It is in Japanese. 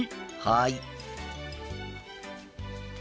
はい。